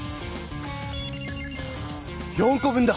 ４こ分だ！